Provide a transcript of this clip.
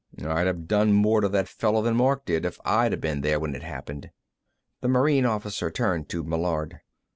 "I'd have done more to that fellow then Mark did, if I'd been there when it happened." The Marine officer turned to Meillard.